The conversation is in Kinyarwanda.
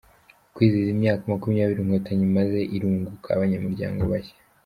Mu kwizihiza imyaka makumyabiri Inkotanyi imaze, irunguka abanyamuryango bashya